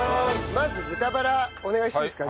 まず豚バラお願いしていいですか？